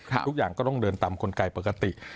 ทุกอย่างก็ต้องเดินตามกลไกปกติ